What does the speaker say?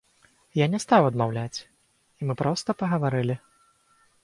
Я не стаў адмаўляць, і мы проста пагаварылі.